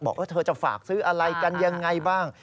เธอจะฝากซื้ออะไรกันยังไงบ้าง